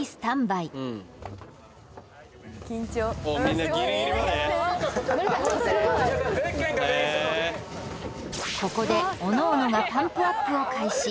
よし選手たちはここでおのおのがパンプアップを開始